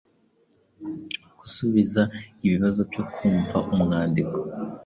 gusubiza ibibazo byo kumva umwandiko,